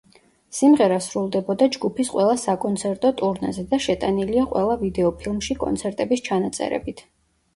სიმღერა სრულდებოდა ჯგუფის ყველა საკონცერტო ტურნეზე და შეტანილია ყველა ვიდეოფილმში კონცერტების ჩანაწერებით.